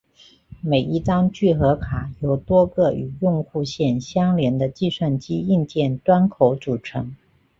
每一张聚合卡由多个与用户线相连的计算机硬件端口组成。